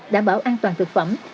đảm bảo an toàn thực phẩm